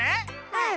うん！